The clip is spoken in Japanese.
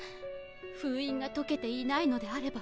ふういんがとけていないのであれば。